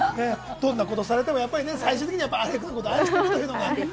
どんなことをされても最終的にはアレクのこと愛してるんですね。